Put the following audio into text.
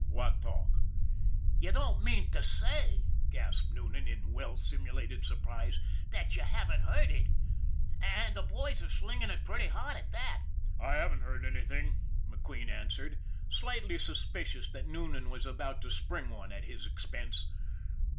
" What talk ?"" You don't mean to say," gasped Noonan, in well simulated surprise, " that you haven't heard it ? And the boys are slinging it pretty hot, at that !"" I haven't heard anything," McQueen answered, slightly suspicious that Noonan was about to spring one at his expense.